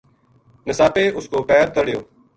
نساپے اس کو پیر تَہڑ یو